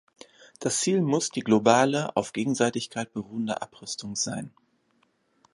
Das Ziel muss die globale, auf Gegenseitigkeit beruhende Abrüstung sein.